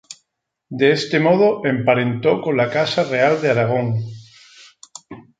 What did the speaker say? De este modo emparentó con la Casa Real de Aragón.